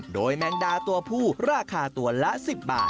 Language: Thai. โดยแมงดาตัวผู้ราคาตัวละ๑๐บาท